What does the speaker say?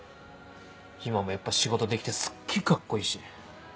今もやっぱ仕事できてすっげぇカッコいいし。